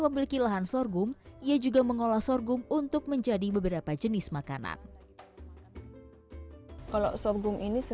makanan yang rusak seperti nasi une